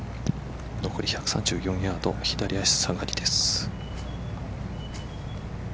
残り１３４ヤード左足下がりです。